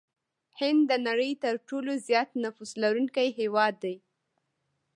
هند د نړۍ ترټولو زيات نفوس لرونکي هېواد دي.